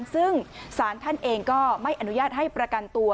ซึ่งสารท่านเองก็ไม่อนุญาตให้ประกันตัว